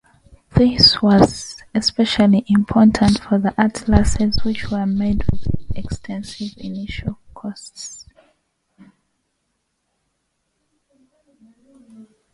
This was especially important for the atlases which were made with extensive initial costs.